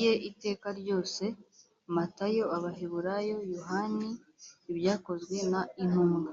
ye iteka ryose matayo abaheburayo yohani ibyakozwe n intumwa